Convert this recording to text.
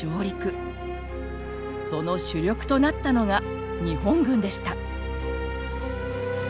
その主力となったのが日本軍でした。